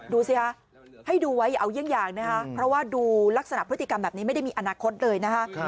ดูสิคะให้ดูไว้อย่าเอาเยี่ยงอย่างนะคะเพราะว่าดูลักษณะพฤติกรรมแบบนี้ไม่ได้มีอนาคตเลยนะคะ